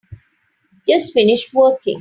Just finished working.